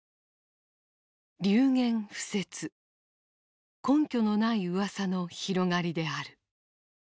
「流言浮説」根拠のないうわさの広がりである。